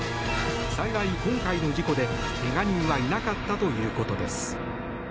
幸い今回の事故で、けが人はいなかったということです。